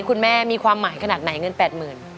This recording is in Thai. คุณแม่มีความหมายขนาดไหน